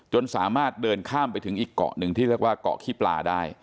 สามารถเดินข้ามไปถึงอีกเกาะหนึ่งที่เรียกว่าเกาะขี้ปลาได้